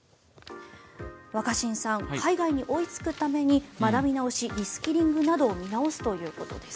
若新さん、海外に追いつくために学び直し・リスキリングなどを見直すということです。